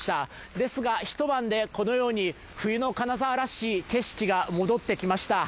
ですが一晩でこのように冬の金沢らしい景色が戻ってきました。